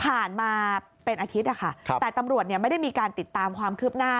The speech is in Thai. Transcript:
ผ่านมาเป็นอาทิตย์นะคะแต่ตำรวจไม่ได้มีการติดตามความคืบหน้า